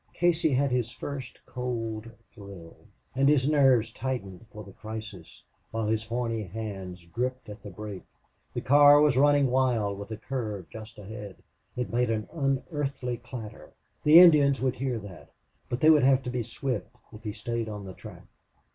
Casey had his first cold thrill. And his nerves tightened for the crisis, while his horny hands gripped on the brake. The car was running wild, with a curve just ahead. It made an unearthly clatter. The Indians would hear that. But they would have to be swift, if he stayed on the track.